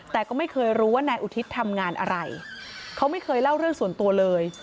แต่ก็ไม่เคยรู้ว่านายอุทิศทำงานอะไรเขาไม่เคยเล่าเรื่องส่วนตัวเลย